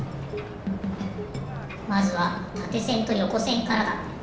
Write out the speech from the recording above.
まずはたてせんとよこせんからだ。